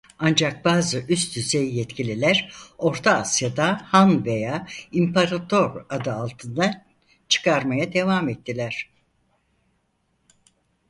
Ancak bazı üst düzey yetkililer Orta Asya'da han veya imparator adı altında çıkarmaya devam ettiler.